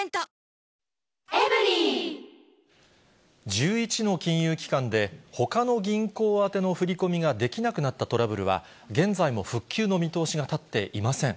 １１の金融機関で、ほかの銀行宛ての振り込みができなくなったトラブルは、現在も復旧の見通しが立っていません。